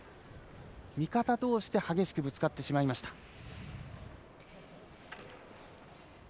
味方どうしで激しくぶつかってしまいました。